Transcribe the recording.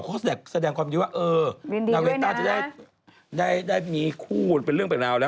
เขาก็แสดงความยินดีด้วยว่าเออนาวินต้าจะได้มีคู่เป็นเรื่องเป็นราวแล้ว